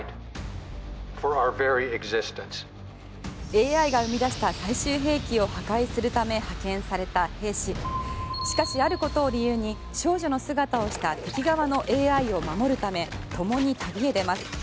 ＡＩが生み出した最終兵器を破壊するため派遣された兵士しかし、あることを理由に少女の姿をした敵側のＡＩを守るため、ともに旅に出ます。